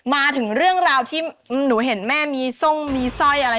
มาถึงเรื่องราวที่หนูเห็นแม่มีทรงมีสร้อยอะไร